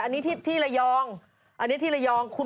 อันนี้ทิ่ย์ไลยอง